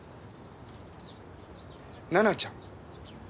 奈々ちゃん。